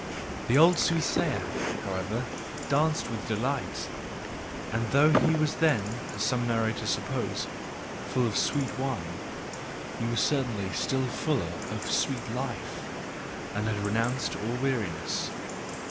The old soothsayer, however, danced with delight; and though he was then, as some narrators suppose, full of sweet wine, he was certainly still fuller of sweet life, and had renounced all weariness.